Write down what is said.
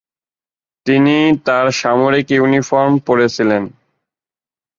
তিনি তার সামরিক ইউনিফর্ম পরেছিলেন।